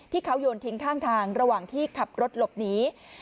ที่เขาโยนทิ้งข้างทางระหว่างที่ขับรถหลบหนี